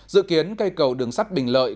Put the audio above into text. dự kiến cây cầu đường sắt bình lợi